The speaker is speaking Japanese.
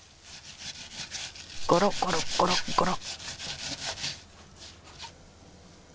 ゴロゴロゴロゴロ。